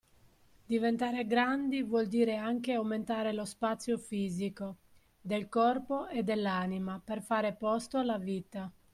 Diventare grandi vuol dire anche aumentare lo spazio fisico, del corpo e dell’anima per fare posto alla vita